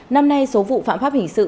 năm nay số vụ phạm pháp hình sự